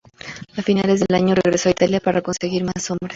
A finales del año regresó a Italia para conseguir más hombres.